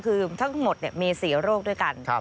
คือทั้งหมดมี๔โรคด้วยกัน